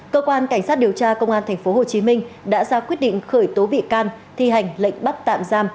cơ quan cảnh sát điều tra công an tp hcm đã ra quyết định khởi tố bị can thi hành lệnh bắt tạm giam